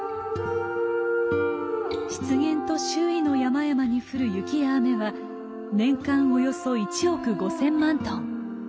湿原と周囲の山々に降る雪や雨は年間およそ１億５，０００万トン。